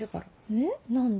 えっ何で？